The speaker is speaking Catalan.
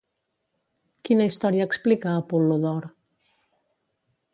Quina història explica Apol·lodor?